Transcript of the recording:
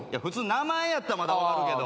名前やったら分かるけど。